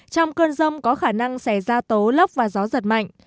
trong cơn rồng có khả năng sẽ ra tố lóc và gió giật mạnh